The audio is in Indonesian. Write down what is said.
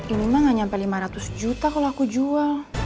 ini mah gak sampai lima ratus juta kalau aku jual